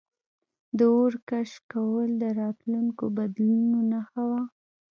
د اور کشف کول د راتلونکو بدلونونو نښه وه.